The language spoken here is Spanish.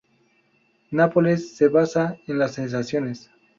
Nápoles se basa en las sensaciones.